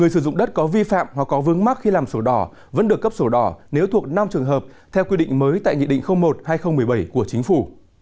sử dụng đất có vi phạm hoặc có vướng mắc khi làm sổ đỏ vẫn được cấp sổ đỏ nếu thuộc năm trường hợp theo quy định mới tại nghị định một hai nghìn một mươi bảy của chính phủ